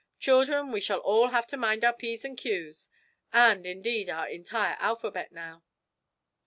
Children, we shall all have to mind our p's and q's and, indeed, our entire alphabet, now!'